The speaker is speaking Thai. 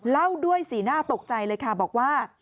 เล่าด้วยสีหน้าตกใจเลยค่ะบอกว่า